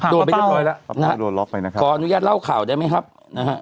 โดนไปเรียบร้อยแล้วนะฮะโดนล็อกไปนะครับขออนุญาตเล่าข่าวได้ไหมครับนะฮะ